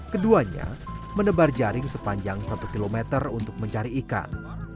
keduanya menebar jaring sepanjang satu km untuk mencari ikan